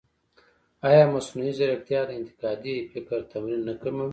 ایا مصنوعي ځیرکتیا د انتقادي فکر تمرین نه کموي؟